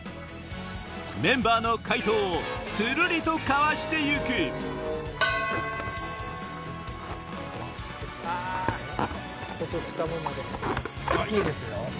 メンバーの解答をするりとかわして行くあっいいですよ。